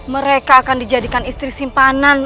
mereka akan dijadikan istri simpanan